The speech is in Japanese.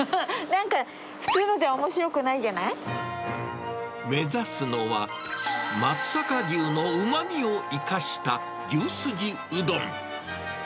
なんか、普通のじゃ、おもし目指すのは、松阪牛のうまみを生かした牛すじうどん。